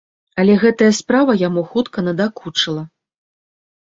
Але гэтая справа яму хутка надакучыла.